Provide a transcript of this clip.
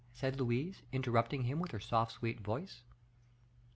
said Louise, interrupting him with her soft, sweet voice.